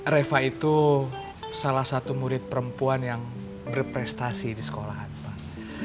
reva itu salah satu murid perempuan yang berprestasi di sekolahan pak